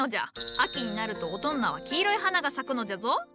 秋になるとオトンナは黄色い花が咲くのじゃぞ。